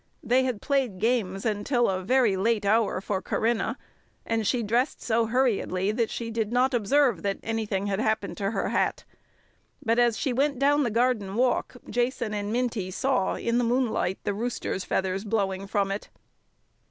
They had played games until a very late hour, for Corinna, and she dressed so hurriedly that she did not observe that anything had happened to her hat, but as she went down the garden walk Jason and Minty saw in the moonlight the rooster's feathers blowing from it.